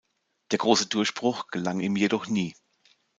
Der große Durchbruch gelang ihm jedoch nie.